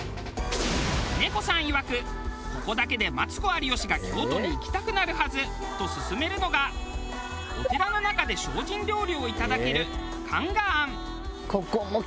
峰子さんいわくここだけでマツコ有吉が京都に行きたくなるはずと薦めるのがお寺の中で精進料理をいただける。